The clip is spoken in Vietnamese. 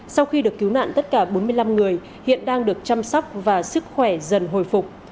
sau khi được cứu nạn tất cả bốn mươi năm người hiện đang được chăm sóc và sức khỏe dần hồi phục